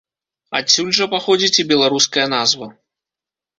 Адсюль жа паходзіць і беларуская назва.